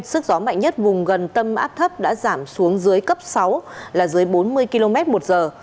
sức gió mạnh nhất vùng gần tâm áp thấp đã giảm xuống dưới cấp sáu là dưới bốn mươi km một giờ